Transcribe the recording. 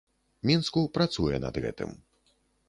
Мінску працуе над гэтым.